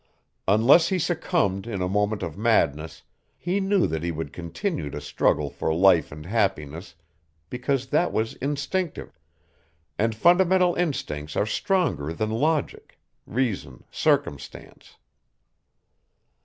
Unless he succumbed in a moment of madness, he knew that he would continue to struggle for life and happiness because that was instinctive, and fundamental instincts are stronger than logic, reason, circumstance.